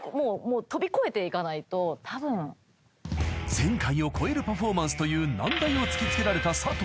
［前回を超えるパフォーマンスという難題を突き付けられた佐藤］